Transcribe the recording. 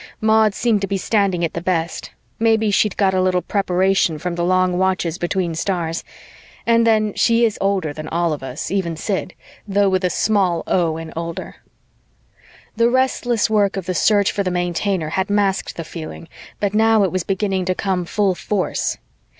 Maud seemed to be standing it the best; maybe she'd got a little preparation from the long watches between stars; and then she is older than all of us, even Sid, though with a small "o" in "older." The restless work of the search for the Maintainer had masked the feeling, but now it was beginning to come full force.